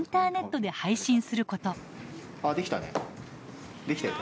あできたね。